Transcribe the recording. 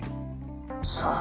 さあ。